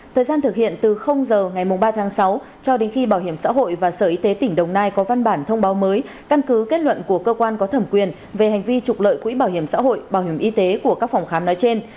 thời gian thực hiện từ giờ ngày ba tháng sáu cho đến khi bảo hiểm xã hội và sở y tế tỉnh đồng nai có văn bản thông báo mới căn cứ kết luận của cơ quan có thẩm quyền về hành vi trục lợi quỹ bảo hiểm xã hội bảo hiểm y tế của các phòng khám nói trên